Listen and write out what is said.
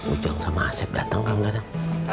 ujang sama asep dateng kembali dong